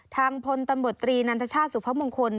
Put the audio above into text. ทางพลตำรวจตรีนันทชาติสุพมงคล